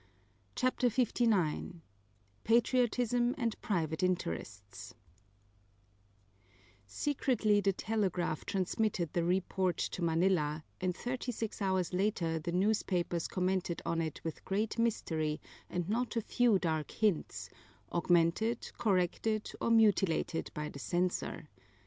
CHAPTER LIX Patriotism and Private Interests Secretly the telegraph transmitted the report to Manila, and thirty six hours later the newspapers commented on it with great mystery and not a few dark hints augmented, corrected, or mutilated by the censor.